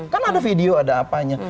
kan ada video ada apanya